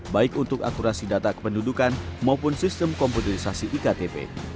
baik untuk akurasi data kependudukan maupun sistem komputerisasi iktp